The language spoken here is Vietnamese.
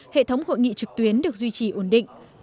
hệ thống hội nghị trực tuyến được duy trì ổn định